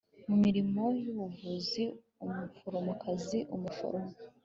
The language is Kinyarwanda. mu mirimo y ubuvuzi umuforomokazi umuforomo